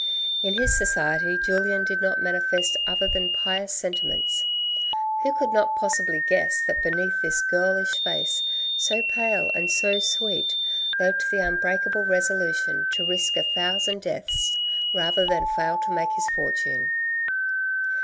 In his society Julien did not manifest other than pious sentiments. Who could not possibly guess that beneath this girlish face, so pale and so sweet, lurked the unbreakable resolution to risk a thousand deaths rather than fail to make his fortune.